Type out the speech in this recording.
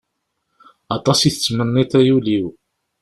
Aṭas i tettmenniḍ, ay ul-iw!